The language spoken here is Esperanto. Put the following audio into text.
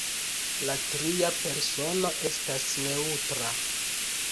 La tria persono estas neŭtra.